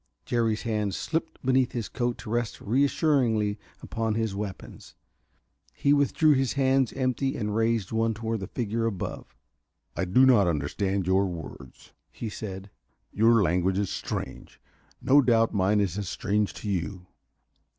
Jerry's hands slipped beneath his coat to rest reassuringly upon his weapons. He withdrew his hands empty and raised one toward the figure above. "I do not understand your words," he said. "Your language is strange. No doubt mine is as strange to you.